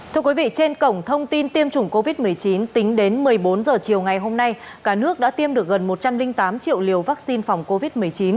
thưa quý vị trên cổng thông tin tiêm chủng covid một mươi chín tính đến một mươi bốn h chiều ngày hôm nay cả nước đã tiêm được gần một trăm linh tám triệu liều vaccine phòng covid một mươi chín